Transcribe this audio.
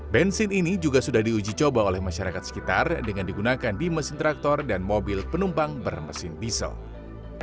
bensin ini juga sudah diuji coba oleh masyarakat sekitar dengan digunakan di mesin traktor dan mobil penumpang bermesin diesel